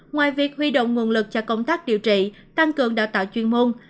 ngoài việc huy động nguồn lực cho công tác điều trị tăng cường đào tạo chuyên môn